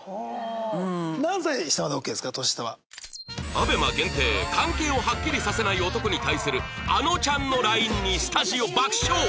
ＡＢＥＭＡ 限定関係をハッキリさせない男に対するあのちゃんの ＬＩＮＥ にスタジオ爆笑！